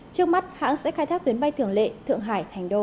trước mắt hãng sẽ khai thác tuyến bay thường lệ thượng hải thành đô